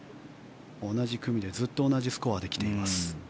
同じ組でずっと同じスコアで来ています。